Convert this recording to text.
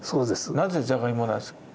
なぜじゃがいもなんですか？